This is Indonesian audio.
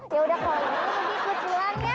ya udah kalau gitu rudy ikut pulang ya